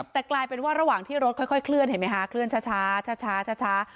แต่กลายเป็นว่าระหว่างที่รถค่อยเคลื่อนเห็นไหมคะเคลื่อนช้า